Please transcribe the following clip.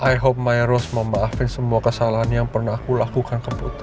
i hope my rose membaafin semua kesalahan yang pernah aku lakukan ke putri